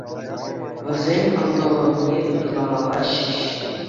Вӗсен ӑнтӑлӑвне ырламалла ҫеҫ.